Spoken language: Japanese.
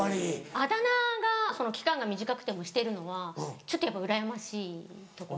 あだ名が期間が短くてもしてるのはちょっとうらやましいところ。